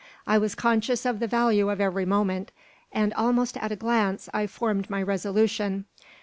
I was conscious of the value of every moment, and almost at a glance I formed my resolution.